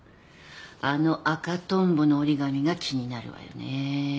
あの赤トンボの折り紙が気になるわよね。